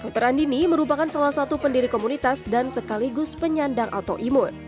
dr andini merupakan salah satu pendiri komunitas dan sekaligus penyandang autoimun